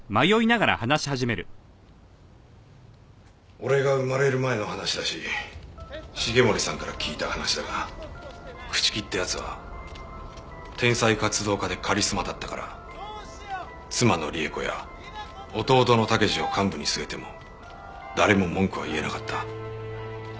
俺が生まれる前の話だし繁森さんから聞いた話だが朽木って奴は天才活動家でカリスマだったから妻の里江子や弟の武二を幹部に据えても誰も文句は言えなかった。